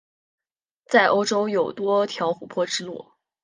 在欧洲有多条琥珀之路。